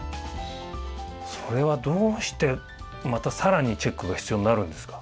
それはどうしてまた更にチェックが必要になるんですか？